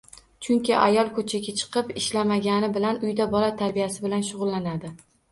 Chunki ayol ko‘chaga chiqib ishlamagani bilan uyda bola tarbiyasi bilan shug‘ullanadi.